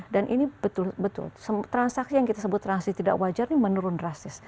dan ini betul betul transaksi yang kita sebut transaksi tidak wajar ini menurun drastis